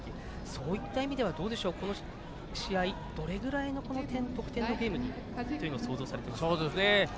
そういった意味ではこの試合どれぐらいの得点のゲームというのを想像されていますか？